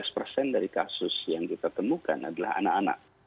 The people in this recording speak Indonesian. lima belas persen dari kasus yang kita temukan adalah anak anak